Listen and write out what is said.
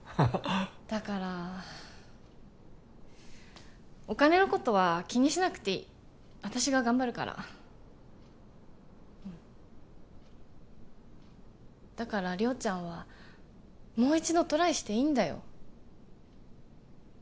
だからお金のことは気にしなくていい私が頑張るからだから亮ちゃんはもう一度トライしていいんだよ